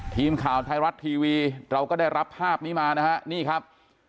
ทีมข่าวไทยรัฐทีวีเราก็ได้รับภาพนี้มานะฮะนี่ครับ